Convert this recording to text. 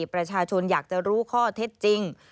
ประชาชนอยากจะรู้ข้อเท็จจริง